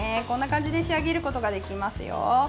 こんな感じで仕上げることができますよ。